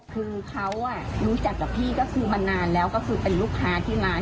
คือเขารู้จักกับพี่ก็คือมานานแล้วก็คือเป็นลูกค้าที่ร้าน